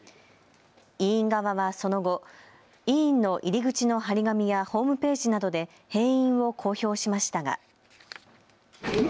医院側はその後、医院の入り口の貼り紙やホームページなどで閉院を公表しましたが。